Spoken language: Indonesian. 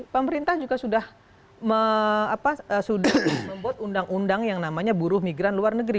pemerintah juga sudah membuat undang undang yang namanya buruh migran luar negeri